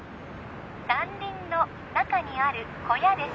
山林の中にある小屋です